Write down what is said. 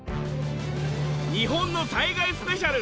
日本の災害スペシャル。